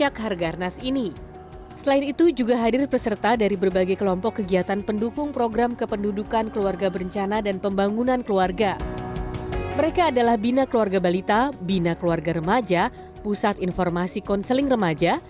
kepala bina keluarga balita adalah bina keluarga remaja pusat informasi konseling remaja